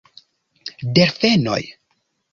Delfenoj!